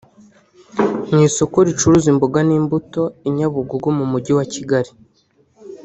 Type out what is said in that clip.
Mu isoko ricuruza imboga n’imbuto i Nyabugogo mu mujyi wa Kigali